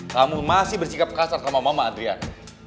kamu masih bersikap kasar sama mama adrian